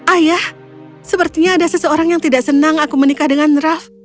ayah sepertinya ada seseorang yang tidak senang aku menikah dengan raff